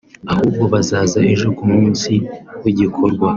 ahubwo bazaza ejo ku munsi w’igikorwa